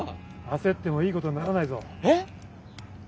焦ってもいいことにはならないぞ。え？